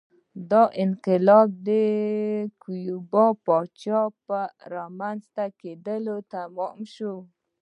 دا انقلاب د کیوبا پاچاهۍ په رامنځته کېدو تمام شو